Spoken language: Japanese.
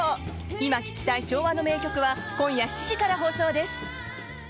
「今聞きたい昭和の名曲！」は今夜７時から放送です。